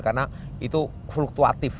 karena itu fluktuatif